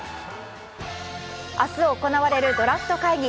明日、行われるドラフト会議。